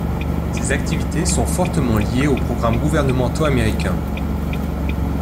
Ses activités sont fortement liées aux programmes gouvernementaux américains.